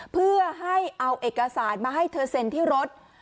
เพื่อให้เอาเอกสารมาให้เธอเซ็นที่รถ